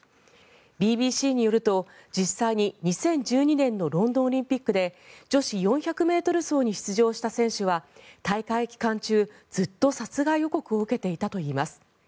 ＢＢＣによると実際に２０１２年のロンドンオリンピックで女子４００ｍ走に出場した選手は大会期間中、ずっと殺害予告を受けていたといいます。